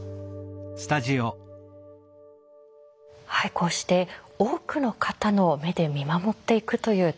こうして多くの方の目で見守っていくという取り組み